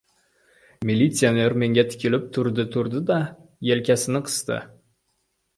Militsioner menga tikilib turdi-turdi-da, yelkasini qisdi.